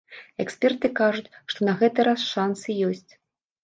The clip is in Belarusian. Эксперты кажуць, што на гэты раз шансы ёсць.